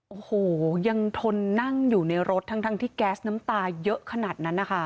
โอ้โหยังทนนั่งอยู่ในรถทั้งที่แก๊สน้ำตาเยอะขนาดนั้นนะคะ